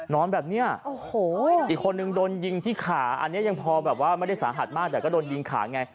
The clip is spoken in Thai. นอนแบบนี้โอ้โหอีกคนนึงโดนยิงที่ขาอันนี้ยังพอแบบว่าไม่ได้สาหัสมากแต่ก็โดนยิงขาไง